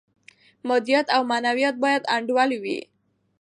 مادیات او معنویات باید انډول وي.